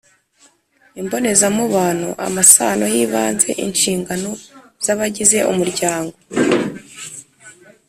Imbonezamubano: amasano y’ibanze, inshingano z’abagize umuryango.